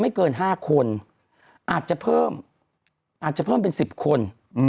ไม่เกิน๕คนอาจจะเพิ่มก็เป็น๑๐คน